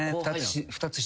２つ下。